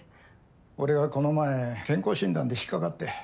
俺がこの前健康診断で引っ掛かって。